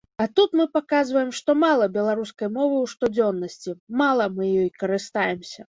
А тут мы паказваем, што мала беларускай мовы ў штодзённасці, мала мы ёй карыстаемся.